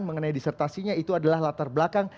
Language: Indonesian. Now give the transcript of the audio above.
mengenai disertasinya itu adalah latar belakang